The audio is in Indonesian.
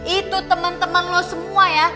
itu temen temen lo semua ya